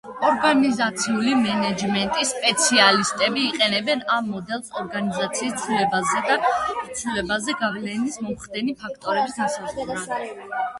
ორგანიზაციული მენეჯმენტის სპეციალისტები იყენებენ ამ მოდელს ორგანიზაციის ცვლილებაზე გავლენის მომხდენი ფაქტორების განსასაზღვრად.